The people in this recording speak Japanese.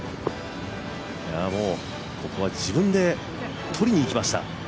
もう、ここは自分で取りに行きました。